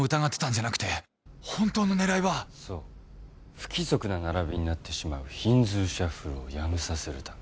不規則な並びになってしまうヒンズーシャッフルをやめさせるため。